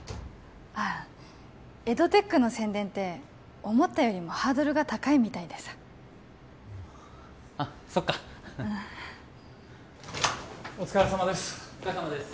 ああエドテックの宣伝って思ったよりもハードルが高いみたいでさあそっかうんお疲れさまです